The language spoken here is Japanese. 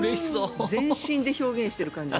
全身で表現してる感じが。